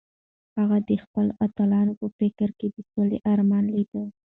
هغه د خپلو اتلانو په فکر کې د سولې ارمان لیده.